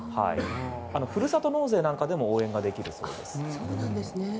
ふるさと納税なんかでも応援ができるそうです。